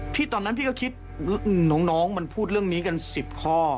ตอนนั้นพี่ก็คิดน้องมันพูดเรื่องนี้กัน๑๐ข้อ